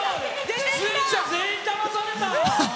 出演者全員だまされた！